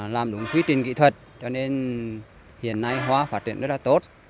làm đúng quy trình kỹ thuật cho nên hiện nay hoa phát triển rất là tốt